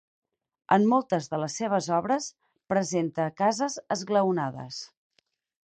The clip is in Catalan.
En moltes de les seves obres presenta cases esglaonades.